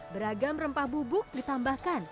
beragam rempah bubuk ditambahkan